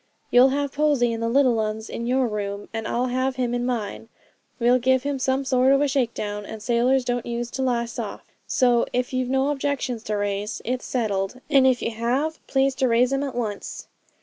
You'll have Posy and the little 'uns in your room, and I'll have him in mine. We'll give him some sort o' a shakedown, and sailors don't use to lie soft." So if you've no objections to raise, it's settled; and if you have, please to raise 'em at once.'